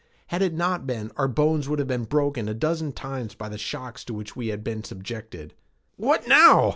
Had it not been, our bones would have been broken a dozen times by the shocks to which we had been subjected. "What now?"